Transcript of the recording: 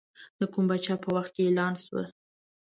د کوم پاچا په وخت کې اعلان شوه.